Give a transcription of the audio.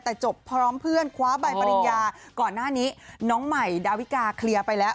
แต่จบพร้อมเพื่อนคว้าใบปริญญาก่อนหน้านี้น้องใหม่ดาวิกาเคลียร์ไปแล้ว